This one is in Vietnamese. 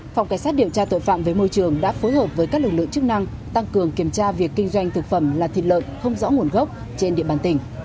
phòng cảnh sát điều tra tội phạm với môi trường đã phối hợp với các lực lượng chức năng tăng cường kiểm tra việc kinh doanh thực phẩm là thịt lợn không rõ nguồn gốc trên địa bàn tỉnh